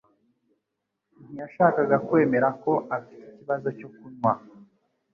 ntiyashakaga kwemera ko afite ikibazo cyo kunywa